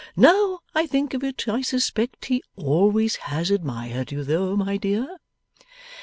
Now I think of it, I suspect he always has admired you though, my dear.